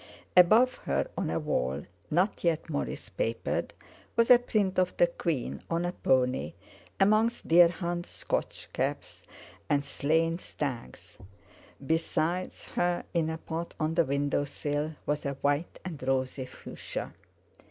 Above her on a wall, not yet Morris papered, was a print of the Queen on a pony, amongst deer hounds, Scotch caps, and slain stags; beside her in a pot on the window sill was a white and rosy fuchsia.